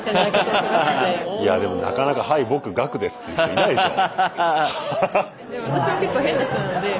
いやでもなかなか「はい僕ガクです」っていう人いないでしょ。